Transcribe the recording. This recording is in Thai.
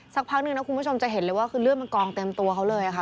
สักพักหนึ่งนะคุณผู้ชมจะเห็นเลยว่าคือเลือดมันกองเต็มตัวเขาเลยค่ะ